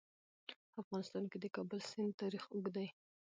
په افغانستان کې د د کابل سیند تاریخ اوږد دی.